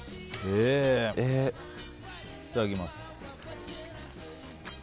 いただきます。